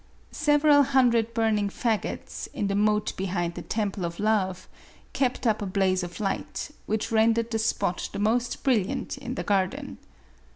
Several hundred burning fagots in the moat behind the. tem ple of Love, kept up a blaze of light, which rendered the spot the most brilliant in the garden.